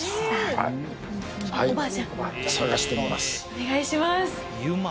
お願いします！